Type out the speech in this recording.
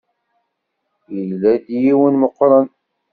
Yella d yiwen meqqren.